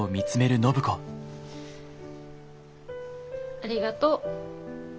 ありがとう。